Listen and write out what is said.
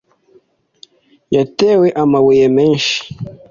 yatewe amabuye menshi